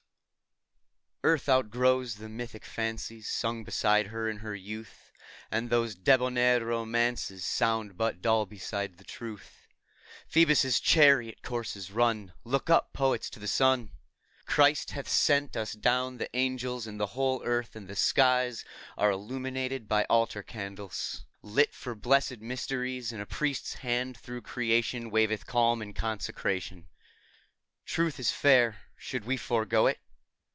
ARTH outgrows the mythic fancies Sung beside her in her youth ; And those debonair romances Sound but dull beside the truth. Phoebus' chariot course is run ! Look up, poets, to the sun ! Christ hath sent us down the angels; And the whole earth and the skies Are illumed by altar candles TRUTH. 35 Lit for blessed mysteries ; And a Priest's Hand, through creation, Waveth calm and consecration. Truth is fair; should we forego it?